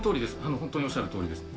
本当におっしゃるとおりですね。